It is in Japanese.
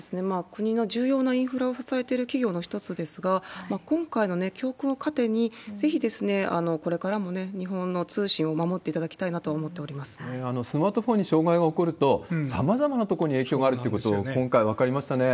国の重要なインフラを支えてる企業の一つですが、今回の教訓を糧に、ぜひこれからも日本の通信を守っていただきたいなとは思っておりスマートフォンに障害が起こると、さまざまな所に影響があるってことを、今回分かりましたね。